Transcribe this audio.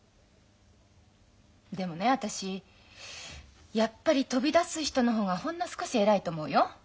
でもね私やっぱり飛び出す人の方がほんの少し偉いと思うよ。